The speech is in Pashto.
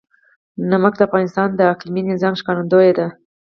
نمک د افغانستان د اقلیمي نظام ښکارندوی ده.